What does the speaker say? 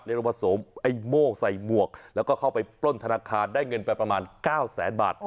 เรียกว่าสวมไอ้โม่งใส่หมวกแล้วก็เข้าไปปล้นธนาคารได้เงินไปประมาณ๙แสนบาท